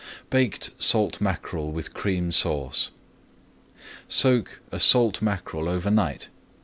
BAKED SALT MACKEREL WITH CREAM SAUCE Soak a salt mackerel over night.